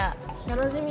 楽しみ！